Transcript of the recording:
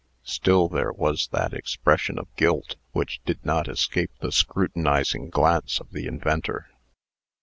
Still there was that expression of guilt, which did not escape the scrutinizing glance of the inventor.